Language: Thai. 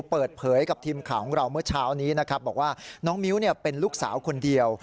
เปิดเผยกับทีมข่าวของเราเมื่อเช้านี้นะครับบอกว่าน้องมิ้วเป็นลูกสาวคนเดียว